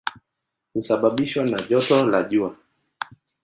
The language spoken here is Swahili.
Husababishwa na joto la jua.